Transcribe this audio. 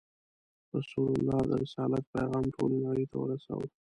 رسول الله د رسالت پیغام ټولې نړۍ ته ورساوه.